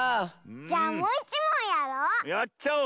じゃあもういちもんやろう。